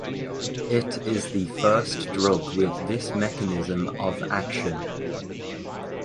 It is the first drug with this mechanism of action.